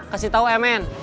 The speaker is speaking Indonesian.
kasih tau emen